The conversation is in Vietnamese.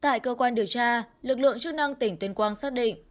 tại cơ quan điều tra lực lượng chức năng tỉnh tuyên quang xác định